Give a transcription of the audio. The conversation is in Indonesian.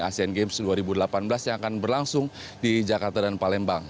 asean games dua ribu delapan belas yang akan berlangsung di jakarta dan palembang